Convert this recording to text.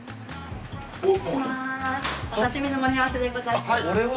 お刺し身の盛り合わせでございます。